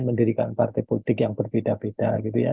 mendirikan partai politik yang berbeda beda